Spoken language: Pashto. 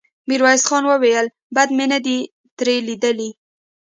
ميرويس خان وويل: بد مې نه دې ترې ليدلي.